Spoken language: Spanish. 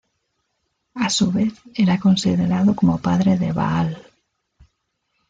A su vez era considerado como padre de Baal.